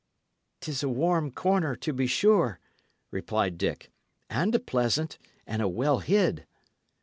"'Tis a warm corner, to be sure," replied Dick, "and a pleasant, and a well hid."